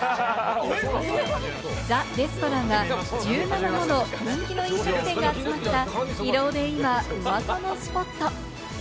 ザ・レストランは１７もの人気飲食店が集まった広尾で今、話題のスポット。